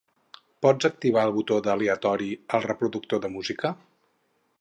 Pots activar el botó d'aleatori al reproductor de música?